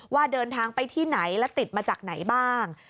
ว่าเดินทางไปที่ไหนและติดมาจากไหนบ้าง